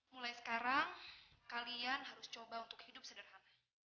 mulai sekarang kalian harus coba untuk hidup sederhana